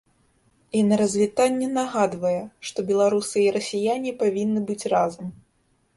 І на развітанне нагадвае, што беларусы і расіяне павінны быць разам.